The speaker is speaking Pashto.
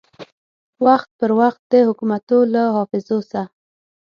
وخت پر وخت د حکومتو له حافظو سه